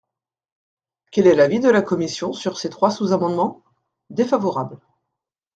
Quel est l’avis de la commission sur ces trois sous-amendements ? Défavorable.